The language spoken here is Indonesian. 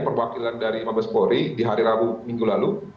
perwakilan dari mabes polri di hari rabu minggu lalu